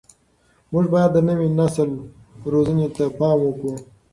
موږ باید د نوي نسل روزنې ته پام وکړو.